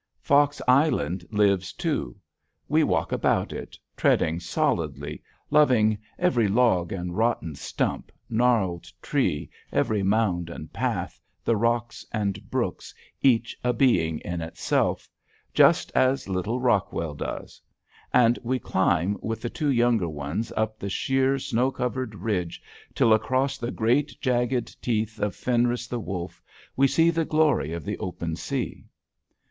Fox Island lives too; we walk about it, treading solidly, loving "every log and rotten stump, gnarled tree, every mound and path, the rocks and brooks, each a being in itself," just as little Rockwell does; and we climb with the "two younger ones up the sheer, snow covered ridge till across the great jagged teeth of Fenris the Wolf, we see the glory of the open sea."